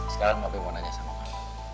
sekarang mau tanya tanya sama kamu